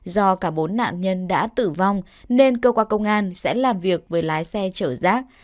do cả bốn nạn nhân đã tử vong nên cơ quan công an sẽ làm việc với lái xe chở rác